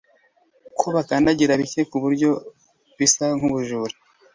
Ko bakandagira bike kuburyo bisa nkubujura